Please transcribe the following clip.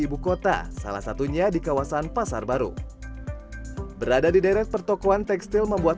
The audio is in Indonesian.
ibukota salah satunya di kawasan pasar baru berada di daerah pertokohan tekstil membuat